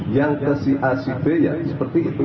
yang ke si acb ya seperti itu